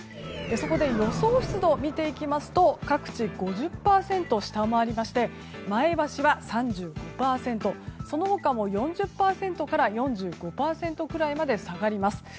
そこで予想湿度を見ていきますと各地５０％を下回りまして前橋は３５％、その他も４０％から４５％くらいまで下がります。